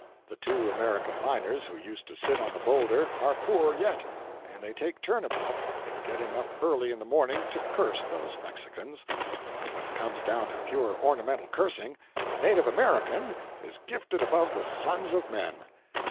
The two American miners who used to sit on the boulder are poor yet, and they take turn about in getting up early in the morning to curse those Mexicans—and when it comes down to pure ornamental cursing, the native American is gifted above the sons of men.